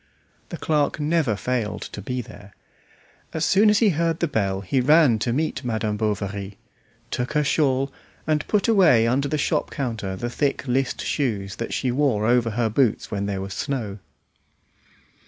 The clerk never failed to be there. As soon as he heard the bell he ran to meet Madame Bovary, took her shawl, and put away under the shop counter the thick list shoes that she wore over her boots when there was snow.